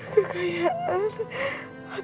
kekayaan tuhan aku